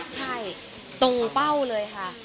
ใช่ตรงเป้าเลยค่ะ